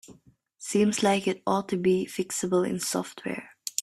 Seems like it ought to be fixable in software.